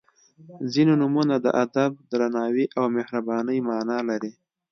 • ځینې نومونه د ادب، درناوي او مهربانۍ معنا لري.